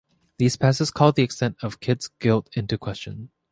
These passes call the extent of Kidd's guilt into question.